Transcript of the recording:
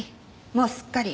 もうすっかり。